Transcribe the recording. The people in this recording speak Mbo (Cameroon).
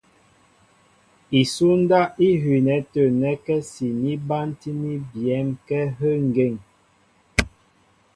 Isúndáp í hʉʉnɛ tə̂ nɛ́kɛ́si ní bántíní byɛ̌m kɛ́ áhə́ ŋgeŋ.